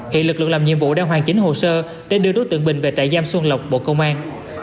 hiện lực lượng làm nhiệm vụ đang hoàn chính hồ sơ để đưa đối tượng bình về trại giam xuân lộc bộ công an